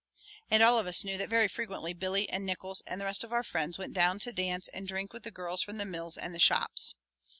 And all of us knew that very frequently Billy and Nickols and the rest of our friends went down to dance and drink with the girls from the mills and the shops.